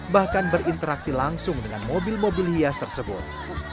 bahkan berinteraksi langsung dengan mobil mobil hias tersebut